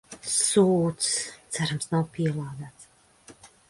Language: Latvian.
Sūds, cerams nav pielādēts.